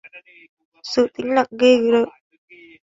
Sự tĩnh lặng ghê rợn